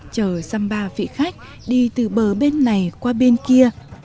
chờ xăm ba vị khách đi từ bờ bên này qua bên kia